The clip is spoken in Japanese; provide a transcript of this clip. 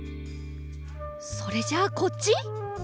それじゃあこっち？